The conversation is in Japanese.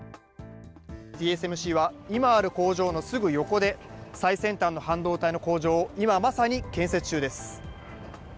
ＴＳＭＣは今ある工場のすぐ横で、最先端の半導体の工場を今まさに建設中です。